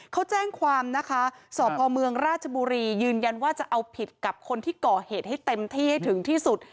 เขาแจ้งความนะคะสพเมืองราชบุรียืนยันว่าจะเอาผิดกับคนที่ก่อเหตุให้เต็มที่ให้ถึงที่สุด